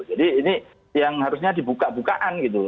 jadi ini yang harusnya dibuka bukaan gitu